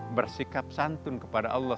mari kita bersikap santun kepada allah